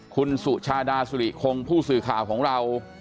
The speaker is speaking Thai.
คุณสุชาดาสุริคงผู้สื่อข่าวของเรา